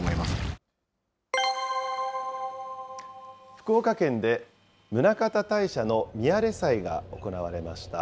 福岡県で宗像大社のみあれ祭が行われました。